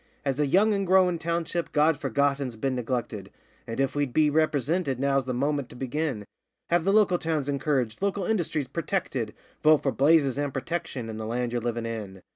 'As a young and growin' township God Forgotten's been neglected, And, if we'd be ripresinted, now's the moment to begin Have the local towns encouraged, local industries purtected: Vote for Blazes, and Protection, and the land ye're livin' in.